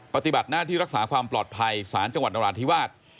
ปฏิบัติหน้าที่รักษาความปลอดภัยศาลจังหวัดนราธิวาส